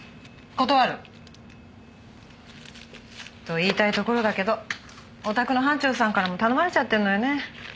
断る！と言いたいところだけどおたくの班長さんからも頼まれちゃってるのよね。